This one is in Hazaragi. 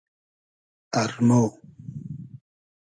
ارمۉ